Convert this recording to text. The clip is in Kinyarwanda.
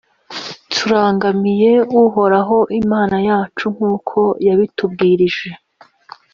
turangamiye uhoraho imana yacu, nk’uko yabitubwirije.»